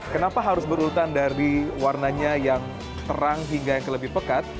kenapa harus berurutan dari warnanya yang terang hingga yang lebih pekat